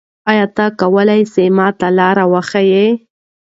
آیا ته کولای سې ما ته لاره وښیې؟